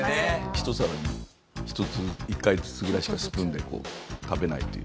一皿に１つ１回ずつぐらいしかスプーンでこう食べないという。